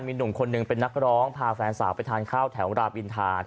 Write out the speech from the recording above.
มีหนุ่มคนหนึ่งเป็นนักร้องพาแฟนสาวไปทานข้าวแถวรามอินทา